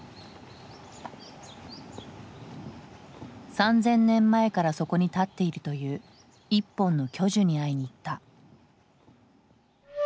３，０００年前からそこに立っているという１本の巨樹に会いに行った。